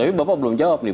tapi bapak belum jawab nih